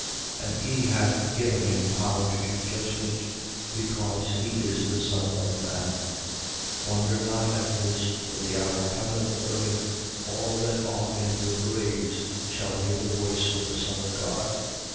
5:27. And he hath given him power to do judgment, because he is the Son of man. 5:28. Wonder not at this: for the hour cometh wherein all that are in the graves shall hear the voice of the Son of God.